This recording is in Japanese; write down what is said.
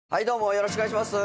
よろしくお願いします。